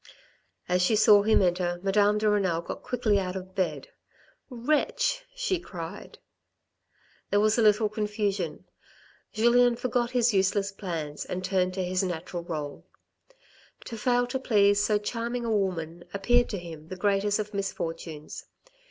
As she saw him enter, Madame de Renal got quickly out of bed. " Wretch," she cried. There was a little confusion. Julien forgot his useless plans, and turned to his natural rle. To fail to please so charming a woman appeared to him the greatest of misfortunes.